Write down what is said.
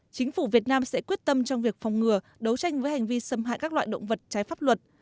chính phủ việt nam sẽ quyết tâm trong việc phòng ngừa đấu tranh với hành vi xâm hại các loại động vật trái pháp luật